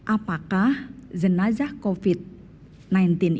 apakah jenazah covid sembilan belas akan menyebabkan kematian kita